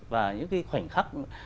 và những cái khoảnh khắc